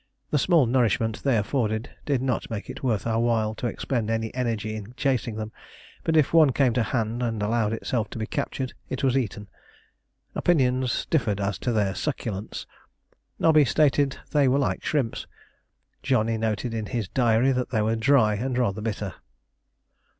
The small nourishment they afforded did not make it worth our while to expend any energy in chasing them, but if one came to hand and allowed itself to be captured it was eaten. Opinions differed as to their succulence. Nobby stated they were like shrimps; Johnny noted in his diary that they were dry and rather bitter.